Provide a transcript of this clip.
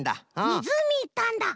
みずうみいったんだ！